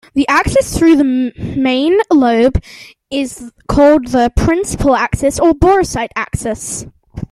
The axis through the main lobe is called the ""principal axis"" or ""boresight axis"".